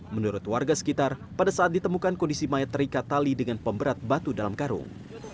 menurut warga sekitar pada saat ditemukan kondisi mayat terikat tali dengan pemberat batu dalam karung